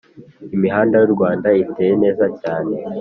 Imihanda y’ uRwanda iteye neza cyane